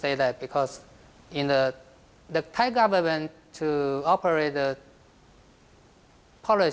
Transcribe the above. ทำไมบอกว่าที่รัฐนาฬิกาจะทำการรับศูนย์